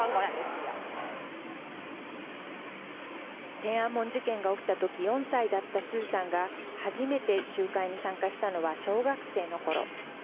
天安門事件が起きたとき、４歳だった鄒さんが、初めて集会に参加したのは小学生のころ。